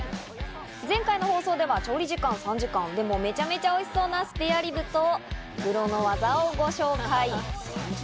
前回の放送では調理時間３時間でも、めちゃめちゃおいしそうなスペアリブとプロの技をご紹介。